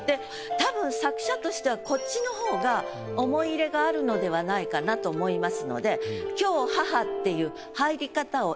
たぶん作者としてはこっちの方が思い入れがあるのではないかなと思いますので「けふ母」っていうはい。